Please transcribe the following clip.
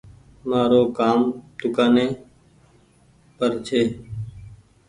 مآرو ڪآم دڪآن ني پر ڇي